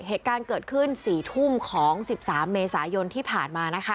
เหตุการณ์เกิดขึ้น๔ทุ่มของ๑๓เมษายนที่ผ่านมานะคะ